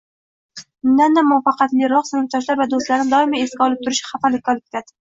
Undanda muvaffaqiyatliroq sinfdoshlar va do‘stlarni doimo esiga solib turish xafalikka olib keladi